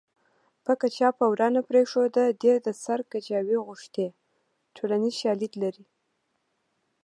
پکه چا په ورا نه پرېښوده دې د سر کجاوې غوښتې ټولنیز شالید لري